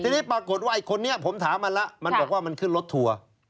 ทีนี้ปรากฏว่าไอ้คนนี้ผมถามมันแล้วมันบอกว่ามันขึ้นรถทัวร์